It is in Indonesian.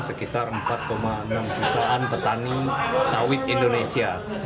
sekitar empat enam jutaan petani sawit indonesia